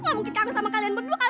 gak mungkin kangen sama kalian berdua